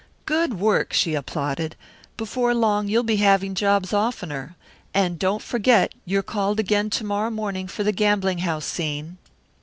"Good work!" she applauded. "Before long you'll be having jobs oftener. And don't forget, you're called again to morrow morning for the gambling house scene."